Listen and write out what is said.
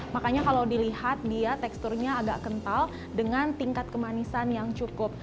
makanya kalau dilihat dia teksturnya agak kental dengan tingkat kemanisan yang cukup